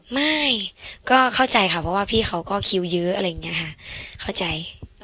ไม่ก็เข้าใจค่ะเพราะว่าพี่เขาก็คิวเยอะอะไรอย่างนี้ค่ะเข้าใจ